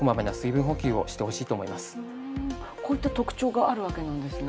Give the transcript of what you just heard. こういった特徴があるわけなんですね。